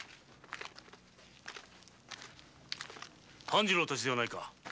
半次郎たちではないか？